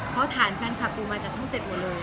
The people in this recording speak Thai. เพราะฐานแฟนคลับปูมาจากช่อง๗หมดเลยแล้วไม่ลืมตรงนี้